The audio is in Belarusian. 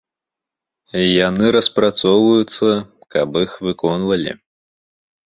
Яны распрацоўваюцца, каб іх выконвалі.